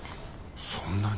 そんなに。